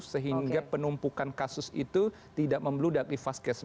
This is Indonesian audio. sehingga penumpukan kasus itu tidak memeludak di fast case